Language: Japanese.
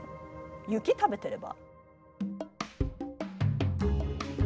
雪食べてれば？